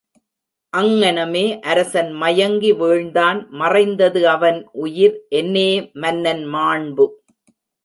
அங்ங்னமே அரசன் மயங்கி வீழ்ந்தான் மறைந்தது அவன் உயிர் என்னே மன்னன் மாண்பு!